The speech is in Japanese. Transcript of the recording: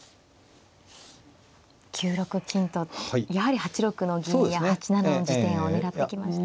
９六金とやはり８六の銀や８七の地点を狙ってきましたね。